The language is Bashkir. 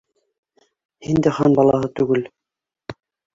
Һин дә хан балаһы түгел.